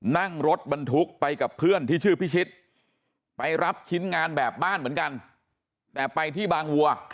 นั่งรถบรรทุกไปกับเพื่อนที่ชื่อพิชิตไปรับชิ้นงานแบบบ้านเหมือนกันแต่ไปที่บางวัว